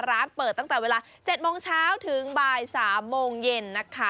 ร้านเปิดตั้งแต่เวลา๗โมงเช้าถึงบ่าย๓โมงเย็นนะคะ